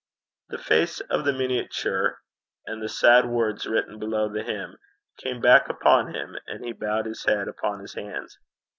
The face of the miniature, and the sad words written below the hymn, came back upon him, and he bowed his head upon his hands.